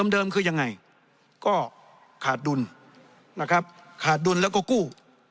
เดิมคือยังไงก็ขาดดุลนะครับขาดดุลแล้วก็กู้